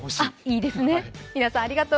いいですね。